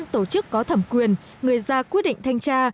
tổ chức có thẩm quyền người ra quyết định thanh tra